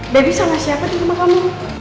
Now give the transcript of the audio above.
bagi sama siapa di rumah kamu